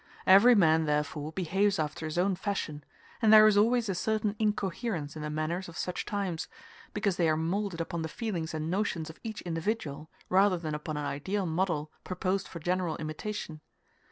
Every man therefore behaves after his own fashion, and there is always a certain incoherence in the manners of such times, because they are moulded upon the feelings and notions of each individual, rather than upon an ideal model proposed for general imitation.